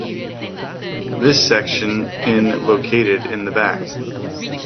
This section in located in the back.